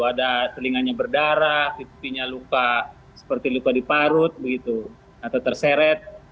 ada telinganya berdarah pipinya luka seperti luka diparut begitu atau terseret